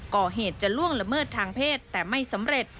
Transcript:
ก่อเหตุจะล่วงละเมิดทางเพศแต่ไม่สำเร็จ